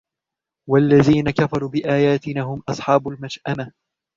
والذين كفروا بآياتنا هم أصحاب المشأمة